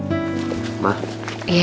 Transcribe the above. aku mau ke surabaya